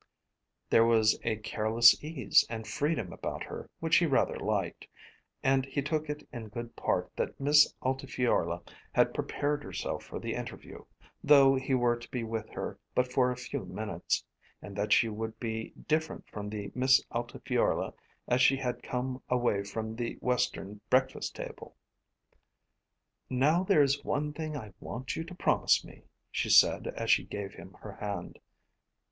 There was a careless ease and freedom about her which he rather liked; and he took it in good part that Miss Altifiorla had prepared herself for the interview, though he were to be with her but for a few minutes, and that she should be different from the Miss Altifiorla as she had come away from the Western breakfast table. "Now there is one thing I want you to promise me," she said as she gave him her hand.